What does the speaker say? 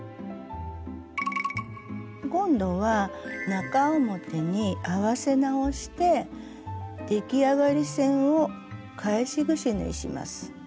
今度は中表に合わせ直して出来上がり線を返しぐし縫いします。